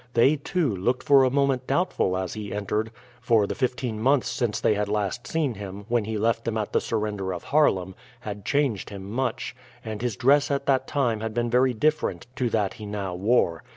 They, too, looked for a moment doubtful as he entered; for the fifteen months since they had last seen him, when he left them at the surrender of Haarlem, had changed him much, and his dress at that time had been very different to that he now wore.